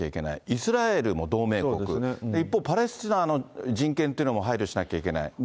イスラエルも同盟国、一方、パレスチナの人権というのも配慮しなきゃいけない。